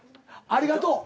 ありがとう。